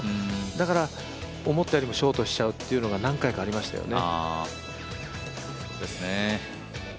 だから思ったよりもショートしちゃうっていうのが何回かありましたよね。